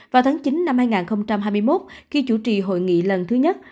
vào tháng chín năm hai nghìn hai mươi một khi chủ trì hội nghị lần thứ nhất